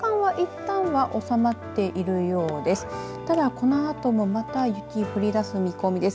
ただ、このあともまた雪降りだす見込みです。